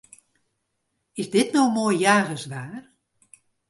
Is dit no moai jagerswaar?